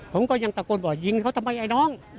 ผมก็ยังตะโกนบอกยิงเขาทำไมไอ้น้อง